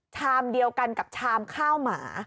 ชามเดียวกันกับชามข้าวหมา